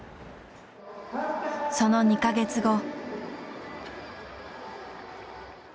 その２か月後。